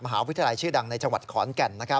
วิทยาลัยชื่อดังในจังหวัดขอนแก่น